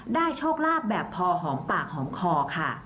โชคลาภแบบพอหอมปากหอมคอค่ะ